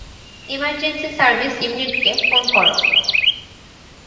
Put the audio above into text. Emergency service ইউনিটকে phone করো।